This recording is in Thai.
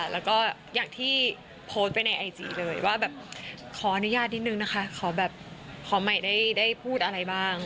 แล้วก็อย่างที่โพสต์ไปในไอจีเลยว่าแบบขออนุญาตนิดนึงนะคะขอแบบขอใหม่ได้พูดอะไรบ้าง